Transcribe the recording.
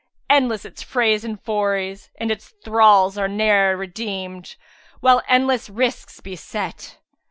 Endless its frays and forays, and its thralls * Are ne'er redeemed, while endless risks beset.